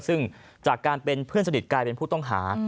ซึ่งจากการเป็นเพื่อนสนิทกลายเป็นผู้ต้องหา